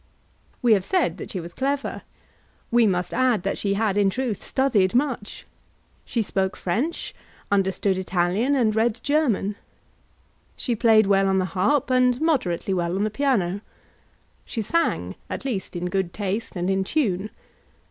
We have said that she was clever. We must add that she had in truth studied much. She spoke French, understood Italian, and read German. She played well on the harp, and moderately well on the piano. She sang, at least in good taste and in tune.